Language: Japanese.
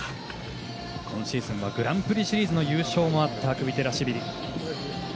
今シーズンはグランプリシリーズの優勝もあったクビテラシビリ。